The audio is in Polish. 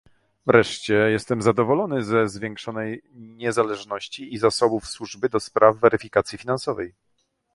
Wreszcie jestem zadowolony ze zwiększonej niezależności i zasobów służby do spraw weryfikacji finansowej